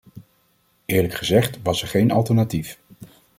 Eerlijk gezegd was er geen alternatief.